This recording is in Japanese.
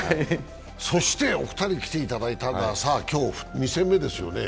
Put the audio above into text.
そして、お二人に来ていただいたのは、今日２戦目ですよね。